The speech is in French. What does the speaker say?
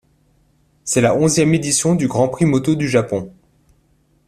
C'est la onzième édition du Grand Prix moto du Japon.